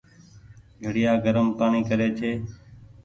گھڙيآ گرم پآڻيٚ ڪري ڇي۔